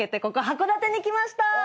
ここ函館に来ました。